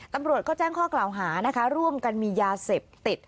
ตำรวจก็แจ้งข้อกล่าวหานะคะร่วมกันมียาเสพติด